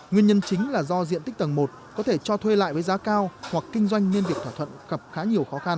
nguyên nhân chính là do diện tích tầng một có thể cho thuê lại với giá cao hoặc kinh doanh nên việc thỏa thuận gặp khá nhiều khó khăn